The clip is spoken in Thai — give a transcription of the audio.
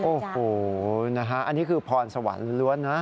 โอ้โหนะฮะอันนี้คือพรสวรรค์ล้วนนะ